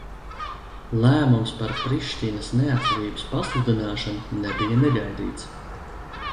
Lēmums par Prištinas neatkarības pasludināšanu nebija negaidīts.